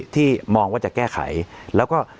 ที่มองว่าจะแก้ไขแล้วก็